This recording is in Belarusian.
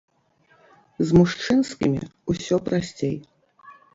З мужчынскімі усё прасцей.